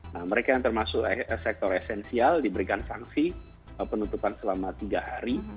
nah mereka yang termasuk sektor esensial diberikan sanksi penutupan selama tiga hari